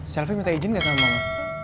selfie minta izin gak sama mama